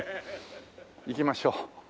行きましょう。